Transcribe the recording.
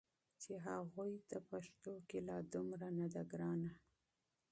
چې هغوی ته پښتو لا دومره نه ده ګرانه